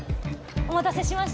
お待たせしました。